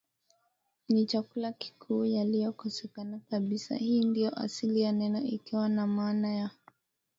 ni chakula kikuu yalikosekana kabisa Hii ndio asili ya neno ikiwa na maana ya